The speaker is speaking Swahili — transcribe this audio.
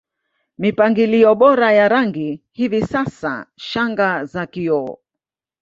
mipangilio bora ya rangi Hivi sasa shanga za kioo